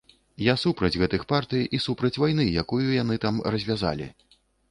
Я супраць гэтых партый і супраць вайны, якую яны там развязалі.